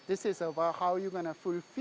ini tentang bagaimana anda akan memenuhi